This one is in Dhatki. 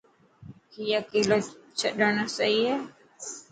ڪي اڪيلو ڇڏڻ سهي هي؟